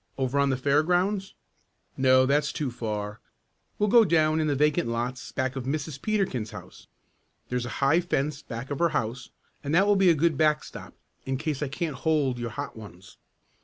Over on the fairgrounds?" "No, that's too far. We'll go down in the vacant lots back of Mrs. Peterkin's house. There's a high fence back of her house and that will be a good backstop, in case I can't hold your hot ones."